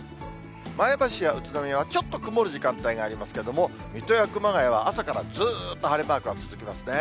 前橋や宇都宮はちょっと曇る時間帯がありますけれども、水戸や熊谷は朝からずっと晴れマークが続きますね。